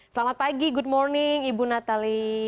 selamat pagi good morning ibu natali